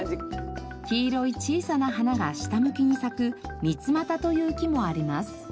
黄色い小さな花が下向きに咲くミツマタという木もあります。